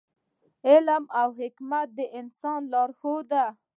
علم او حکمت د انسان لارښود دی.